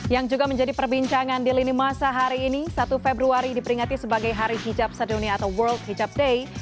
yang juga menjadi perbincangan di lini masa hari ini satu februari diperingati sebagai hari hijab sedunia atau world hijab day